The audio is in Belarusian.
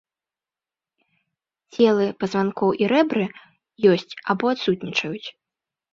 Целы пазванкоў і рэбры ёсць або адсутнічаюць.